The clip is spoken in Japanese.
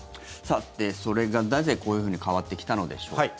それがなぜこういうふうに変わってきたのでしょうか。